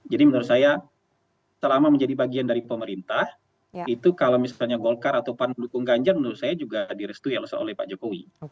jadi menurut saya selama menjadi bagian dari pemerintah itu kalau misalnya golkar atau pan mendukung ganjar menurut saya juga direstui oleh pak jokowi